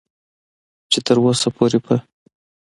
چې تر اوسه پورې په